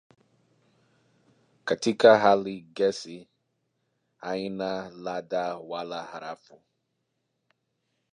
Katika hali ya gesi haina ladha wala harufu.